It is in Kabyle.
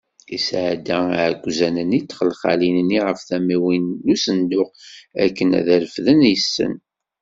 Isɛedda iɛekkzan-nni di txelxalin-nni ɣef tamiwin n usenduq, akken ad t-refden yes-sen.